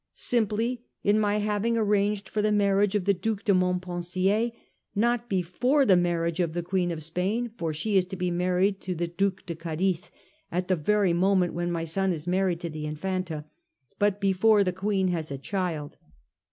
Simply in my having 432 A HISTORY OF OUR OWN TIMES. ch. xm. arranged for the marriage of the Due de Montpensier, not before the marriage of the Queen of Spain, for she is to be married to the Due de Cadiz at the very moment when my son is married to the Infanta, but before the Queen has a child.